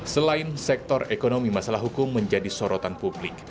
selain sektor ekonomi masalah hukum menjadi sorotan publik